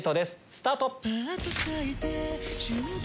スタート。